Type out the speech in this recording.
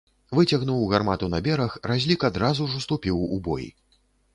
Выцягнуў гармату на бераг, разлік адразу ж уступіў у бой.